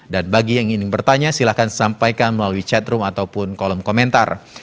dan bagi yang ingin bertanya silahkan sampaikan melalui chatroom ataupun kolom komentar